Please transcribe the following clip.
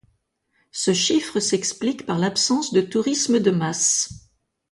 Ce chiffre s'explique par l'absence de tourisme de masse.